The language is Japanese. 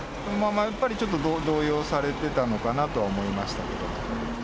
やっぱりちょっと動揺されてたのかなとは思いましたけど。